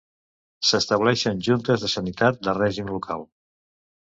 S'estableixen Juntes de Sanitat de règim local.